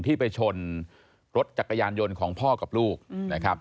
ที่ไปชนรถจักรยานยนต์ของพ่อกับลูกนะครับ